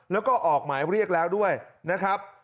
แล้วก็ออกหมายเรียกแล้วด้วยนะครับ